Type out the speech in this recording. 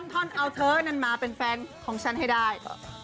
ท่อนเอาเธอนั้นมาเป็นแฟนของฉันให้ได้